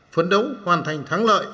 phấn đấu hoàn thành thắng lợi